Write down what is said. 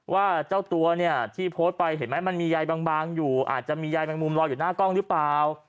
ว่าเจ้าตัวเนี่ยที่โพสต์ไปเห็นไหมมันมียายบางอยู่อาจจะมียายแมงมุมรออยู่หน้ากล้องหรือเปล่า